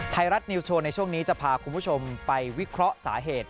ไทยรัฐนิวสโชว์ในช่วงนี้จะพาคุณผู้ชมไปวิเคราะห์สาเหตุ